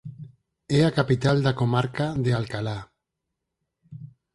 É a capital da comarca de Alcalá.